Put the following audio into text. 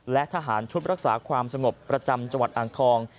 และทหารชุดรักษาความสงบประจำจังหวัดอ่างทอง